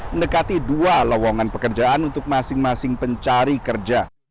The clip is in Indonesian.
mendekati dua lowongan pekerjaan untuk masing masing pencari kerja